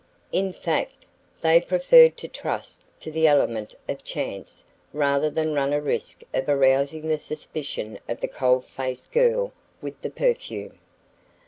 In fact, they preferred to trust to the element of chance rather than run a risk of arousing the suspicion of the cold faced girl with the perfume.